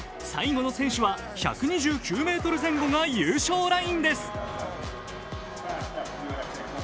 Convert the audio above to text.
最後の選手は１２９ｍ前後が優勝ラインです。